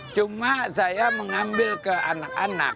cuma saya mengambil ke anak anak